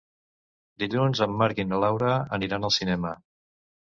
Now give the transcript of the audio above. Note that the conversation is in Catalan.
Dilluns en Marc i na Laura aniran al cinema.